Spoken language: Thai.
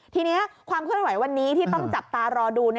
ทีนี้ความเคลื่อนไหววันนี้ที่ต้องจับตารอดู